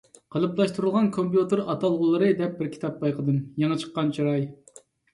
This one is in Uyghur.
«قېلىپلاشتۇرۇلغان كومپيۇتېر ئاتالغۇلىرى» دەپ بىر كىتاب بايقىدىم، يېڭى چىققان چىراي.